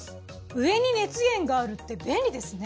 上に熱源があるって便利ですね。